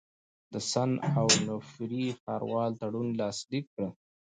د سن اونوفري ښاروال تړون لاسلیک کړ.